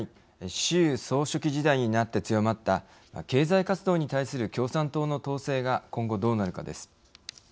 習総書記時代になって強まった経済活動に対する共産党の統制が今後どうなるかです。